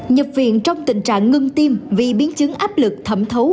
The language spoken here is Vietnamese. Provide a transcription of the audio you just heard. nhập viện trong tình trạng ngưng tim vì biến chứng áp lực thẩm thấu